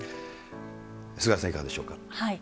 菅原さん、いかがでしょうか。